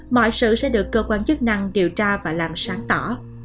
mọi sự sẽ được cơ quan chức năng điều tra và làm sáng tỏ